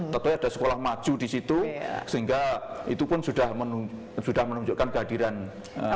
tentunya ada sekolah maju di situ sehingga itu pun sudah menunjukkan kehadiran anak